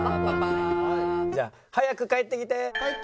「じゃあ“早く帰ってきて”」。